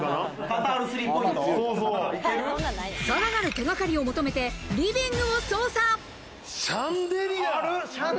さらなる手がかりを求めてリシャンデリア！